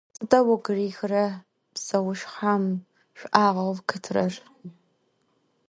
Sıda vugu rihre pseuşshem ş'uağeu khıtrer?